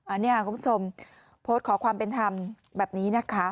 อันนี้คุณผู้ชมโพสต์ขอความเป็นธรรมแบบนี้นะคะ